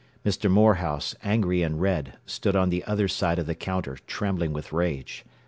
Mr. Morehouse, angry and red, stood on the other side of the counter, trembling with rage.